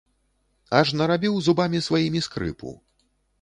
Аж нарабіў зубамі сваімі скрыпу.